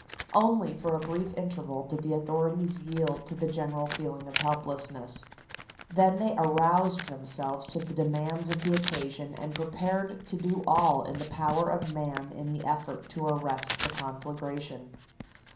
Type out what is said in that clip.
Only for a brief interval did the authorities yield to the general feeling of helplessness. Then they aroused themselves to the demands of the occasion and prepared to do all in the power of man in the effort to arrest the conflagration.